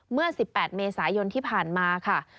เมื่อ๑๘เมษายนที่ผ่านมาค่ะ